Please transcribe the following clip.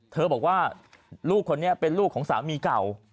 บอกว่าลูกคนนี้เป็นลูกของสามีเก่า